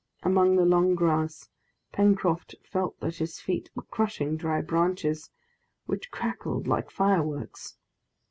Among the long grass, Pencroft felt that his feet were crushing dry branches which crackled like fireworks.